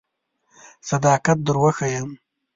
صداقت در وښیم.